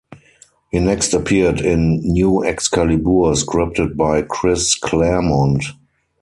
He next appeared in "New Excalibur" scripted by Chris Claremont.